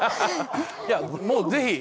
もうぜひ！